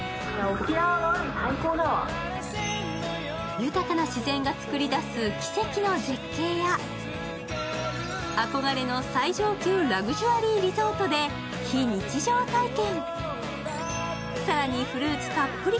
豊かな自然が作り出す奇跡の絶景や憧れの最上級ラグジュアリーリゾートで、非日常体験。